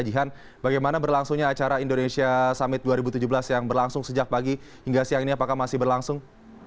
jihan bagaimana berlangsungnya acara indonesia summit dua ribu tujuh belas yang berlangsung sejak pagi hingga siang ini apakah masih berlangsung